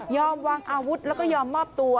วางอาวุธแล้วก็ยอมมอบตัว